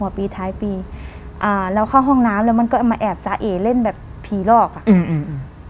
ปีท้ายปีอ่าเราเข้าห้องน้ำแล้วมันก็มาแอบสาเอเล่นแบบผีหลอกอ่ะอืม